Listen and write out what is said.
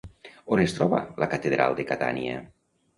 On es troba la catedral de Catània?